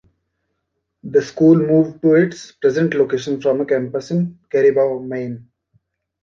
The school moved to its present location from a campus in Caribou, Maine.